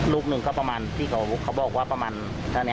ลูกหนึ่งก็ประมาณที่เขาบอกว่าประมาณเท่านี้